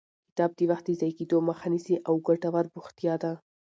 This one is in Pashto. کتاب د وخت د ضایع کېدو مخه نیسي او ګټور بوختیا ده.